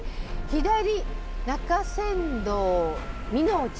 「左中山道美のぢ」。